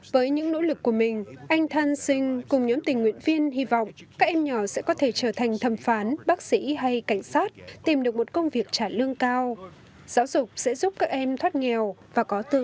với những nỗ lực của mình anh thanh sinh cùng nhóm tình nguyện viên hy vọng các em nhỏ sẽ có thể trở thành thẩm phán bác sĩ hay cảnh sát tìm được một công việc trả lương cao giáo dục sẽ giúp các em thoát nghèo và có tương lai tốt đẹp hơn